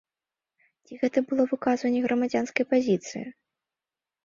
Ці гэта было выказванне грамадзянскай пазіцыі?